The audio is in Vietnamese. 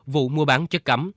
vụ mua bán chất cắm